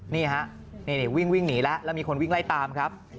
นี่ฮะนี่วิ่งหนีแล้วแล้วมีคนวิ่งไล่ตามครับ